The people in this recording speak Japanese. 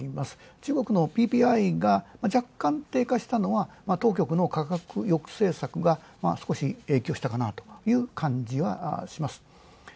中国のＰＰＩが若干低下したのは当局の価格抑制策が少し影響したかなという感じはします。